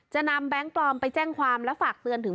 นำแบงค์ปลอมไปแจ้งความและฝากเตือนถึง